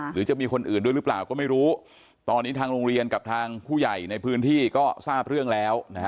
หรือจะมีคนอื่นด้วยหรือเปล่าก็ไม่รู้ตอนนี้ทางโรงเรียนกับทางผู้ใหญ่ในพื้นที่ก็ทราบเรื่องแล้วนะฮะ